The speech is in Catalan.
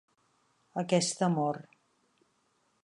Aquesta mor.